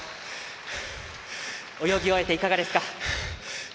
泳ぎ終えていかがですか？